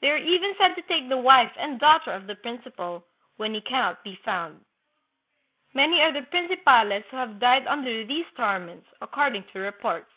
They are even said to take the wife and daughter of the principal, when he can not be found. Many are the prin cipales who have died under these torments, according to reports."